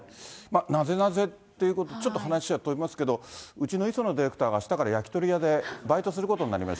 なぜなぜっていうこと、ちょっと話は飛びますけど、うちの磯野ディレクターがあしたから焼き鳥屋でバイトすることにえ？